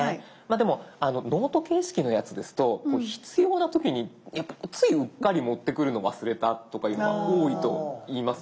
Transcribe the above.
でもノート形式のやつですと必要な時にやっぱついうっかり持ってくるのを忘れたとかいうのは多いといいます。